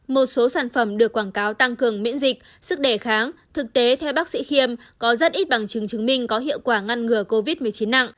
một số sản phẩm được quảng cáo tăng cường miễn dịch sức đề kháng thực tế theo bác sĩ khiêm có rất ít bằng chứng chứng minh có hiệu quả ngăn ngừa covid một mươi chín nặng